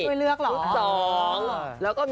ชุดสองแล้วก็